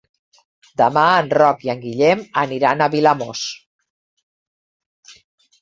Demà en Roc i en Guillem aniran a Vilamòs.